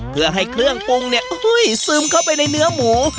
เพื่อให้เครื่องปรุงเนี่ยซึมเข้าไปในเนื้อหมู